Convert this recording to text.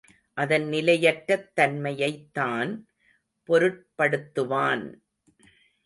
அதன் நிலையற்றத் தன்மையைத்தான் பொருட்படுத்துவான்!